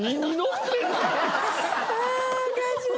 ああおかしい！